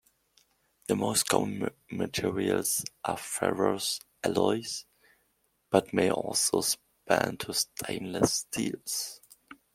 The most common materials are ferrous alloys but may also span to stainless steels.